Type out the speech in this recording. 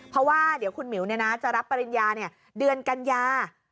เพราะว่าเดี๋ยวคุณหมิวจะรับปริญญาเดือนกัญญา